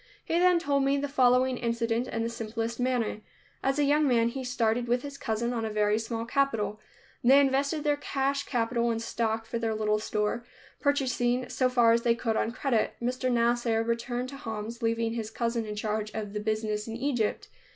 He then told me the following incident in the simplest manner. As a young man he started with his cousin on a very small capital. They invested their cash capital in stock for their little store, purchasing so far as they could on credit. Mr. Nasser returned to Homs, leaving his cousin in charge of the business in Egypt.